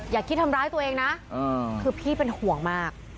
อย่าคิดทำร้ายตัวเองนะคือพี่เป็นห่วงมาก